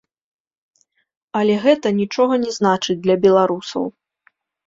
Але гэта нічога не значыць для беларусаў.